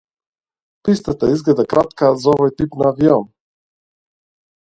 Пистата изгледа кратка за овој тип на авион.